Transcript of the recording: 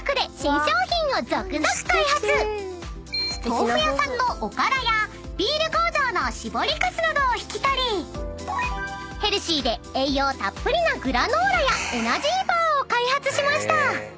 ［豆腐屋さんのおからやビール工場の搾りかすなどを引き取りヘルシーで栄養たっぷりなグラノーラやエナジーバーを開発しました］